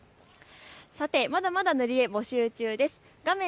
さてまだまだ塗り絵、募集中です。